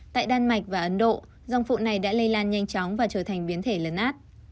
tại đan mạch và ấn độ dòng phụ này đã lây lan nhanh chóng và trở thành biến thể lấn át